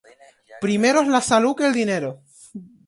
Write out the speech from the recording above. Primero es la salud que el dinero.